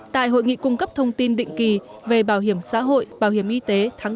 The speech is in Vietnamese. tại hội nghị cung cấp thông tin định kỳ về bảo hiểm xã hội bảo hiểm y tế tháng bốn